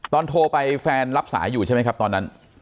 โทรไปแฟนรับสายอยู่ใช่ไหมครับตอนนั้น